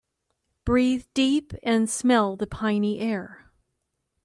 Breathe deep and smell the piny air.